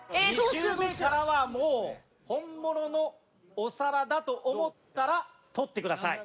２周目からはもう本物のお皿だと思ったら取ってください。